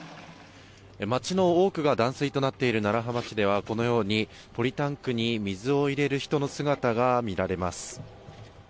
町の多くが断水となっている楢葉町ではこのようにポリタンクに水を入れる人の姿が見られます。